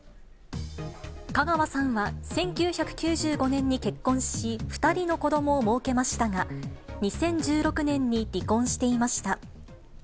香川さんは１９９５年に結婚し、２人の子どもをもうけましたが、２０１６年に離婚していました。